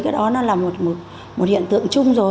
cái đó là một hiện tượng chung rồi